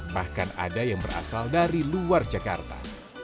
bahkan ada yang berasal dari luar jakarta